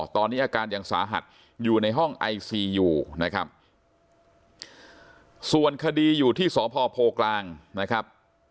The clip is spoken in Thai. ตอนนี้อาการยังสาหัสอยู่ในห้องไอซียูนะครับส่วนคดีอยู่ที่สพโพกลางนะครับ